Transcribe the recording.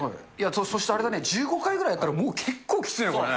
そしてあれだね、１５回ぐらいやったら、もう結構きついな、これね。